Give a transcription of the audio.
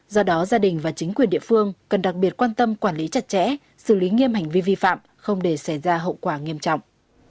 do đó gia đình và chính quyền địa phương cần đặc biệt quan tâm quản lý chặt chẽ xử lý nghiêm hành vi vi phạm không để xảy ra hậu quả nghiêm trọng